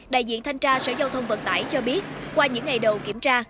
đại diện thanh tra sở giao thông vận tải cho biết qua những ngày đầu kiểm tra